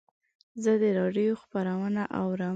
زه د رادیو خپرونه اورم.